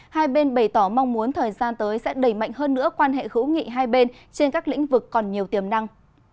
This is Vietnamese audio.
hai bên bày tỏ mong muốn thời gian tới sẽ đẩy mạnh hơn nữa quan hệ hữu nghị hai bên trên các lĩnh vực còn nhiều tiềm năng